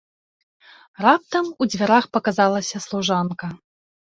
Раптам у дзвярах паказалася служанка.